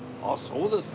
そうですか。